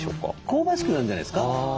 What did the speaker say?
香ばしくなるんじゃないですか。